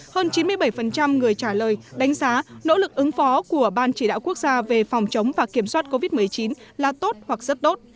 hơn chín mươi bảy người trả lời đánh giá nỗ lực ứng phó của ban chỉ đạo quốc gia về phòng chống và kiểm soát covid một mươi chín là tốt hoặc rất đốt